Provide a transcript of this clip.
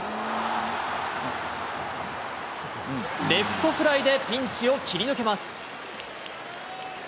レフトフライでピンチを切り抜けます。